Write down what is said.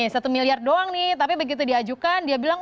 satu miliar doang nih tapi begitu diajukan dia bilang